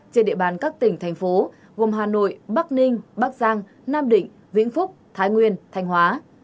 trên địa bàn các tỉnh thành phố gồm hà nội bắc ninh bắc giang nam định vĩnh phúc thái nguyên thanh hóa